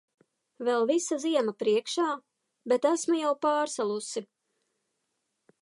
Vēl visa ziema priekšā, bet esmu jau pārsalusi!